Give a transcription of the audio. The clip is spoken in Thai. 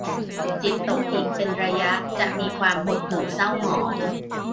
จิตตกอีกเป็นระยะ จะมีความหดหู่เศร้าหมอง